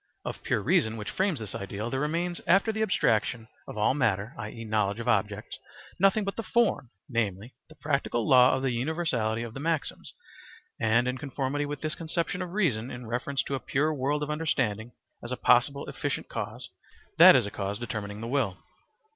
Of pure reason which frames this ideal, there remains after the abstraction of all matter, i.e., knowledge of objects, nothing but the form, namely, the practical law of the universality of the maxims, and in conformity with this conception of reason in reference to a pure world of understanding as a possible efficient cause, that is a cause determining the will.